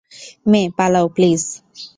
মে, পালাও, প্লিজ।